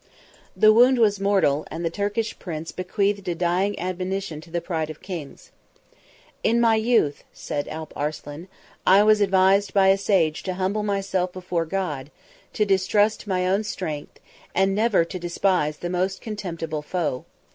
The wound was mortal; and the Turkish prince bequeathed a dying admonition to the pride of kings. "In my youth," said Alp Arslan, "I was advised by a sage to humble myself before God; to distrust my own strength; and never to despise the most contemptible foe.